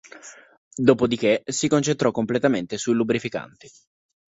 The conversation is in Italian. Dopodiché si concentrò completamente sui lubrificanti.